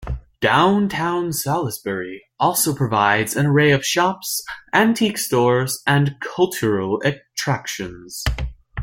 Downtown Salisbury also provides an array of shops, antique stores, and cultural attractions.